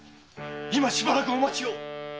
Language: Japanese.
しばらくお待ちを。